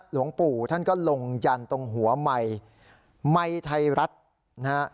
หลวงปู่ท่านก็ลงยันตรงหัวไมค์ไมค์ไทยรัฐนะฮะ